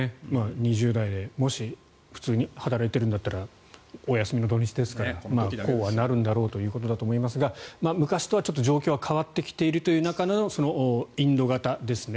２０代でもし普通に働いてるんだったらお休みの土日ですからこうはなるんだろうと思いますが昔とはちょっと状況は変わってきているという中のそのインド型ですね。